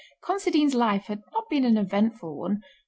Considine's life had not been an eventful one.